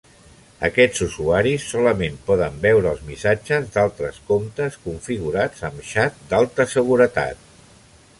Aquests usuaris solament poden veure els missatges d'altres comptes configurats amb xat d'alta seguretat.